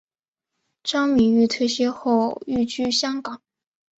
张敏钰退休后寓居香港。